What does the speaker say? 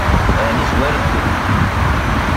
Ɛni zwarent-k?